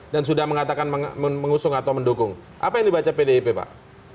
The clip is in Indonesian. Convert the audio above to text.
dan sudah mengatakan mengusung atau mendukung apa yang dibaca pdip pak